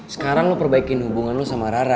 sekarang lu perbaikin hubungan lu sama rara